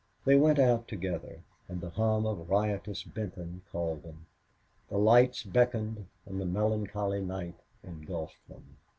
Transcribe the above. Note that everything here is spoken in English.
They went out together, and the hum of riotous Benton called them; the lights beckoned and the melancholy night engulfed them.